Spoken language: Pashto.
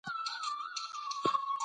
د مننې کلتور عام کړئ.